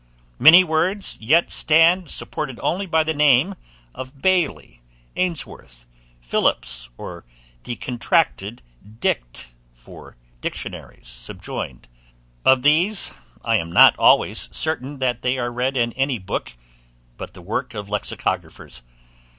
Many words yet stand supported only by the name of Bailey, Ainsworth, Philips, or the contracted Dict. for Dictionaries subjoined; of these I am not always certain that they are read in any book but the works of lexicographers.